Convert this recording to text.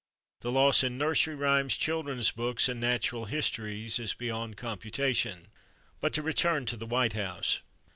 The loss in Nursery Rhymes, children's books, and Natural Histories is beyond computation. But to return to the White House.